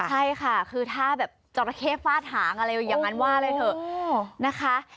ใช่ค่ะคือถ้าแบบจราเข้ฟาดหางอะไรอย่างนั้นว่าเลยเถอะนะคะ